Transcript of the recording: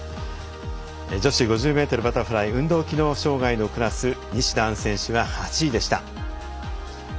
女子５０ｍバタフライ運動機能障がいのクラス西田杏選手は８位でした。